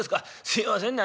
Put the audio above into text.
すいませんね